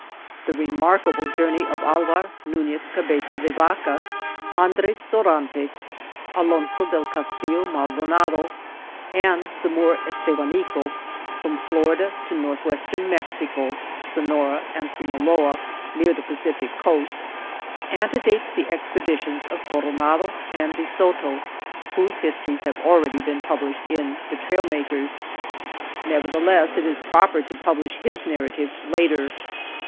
The remarkable journey of Alvar Nunez Cabeza de Vaca, Andres Dorantes, Alonso del Castillo Mal donado, and the Moor Estevanico, from Florida to Northwestern Mexico (Sonora and Sinaloa), near the Pacific coast, ante dates the expeditions of Coronado and De Soto, whose histories have already been pub lished in The Trail Makers. Nevertheless, it is proper to publish his narrative later.